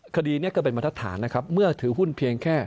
คดีนี้ก็เป็นบรรทัดฐานนะครับเมื่อถือหุ้นเพียงแค่๒๐๐หุ้น